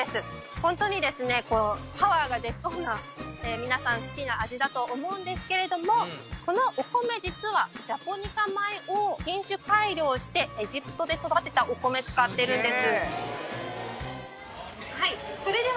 ホントにですねこうパワーが出そうな皆さん好きな味だと思うんですけれどもこのお米実はジャポニカ米を品種改良してエジプトで育てたお米使ってるんです